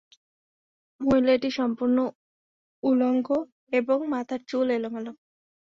মহিলাটি সম্পূর্ণ উলঙ্গ এবং মাথার চুল ছিল এলোমেলো।